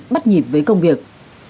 bắt nhịp với công việc